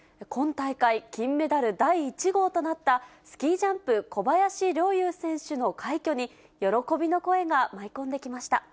今大会、金メダル第１号となったスキージャンプ、小林陵侑選手の快挙に、喜びの声が舞い込んできました。